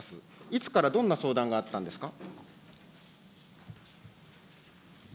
いつからどんな相談があったんですか。